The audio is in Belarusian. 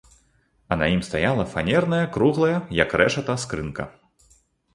А на ім стаяла фанерная круглая, як рэшата, скрынка.